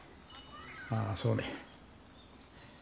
ああそうね。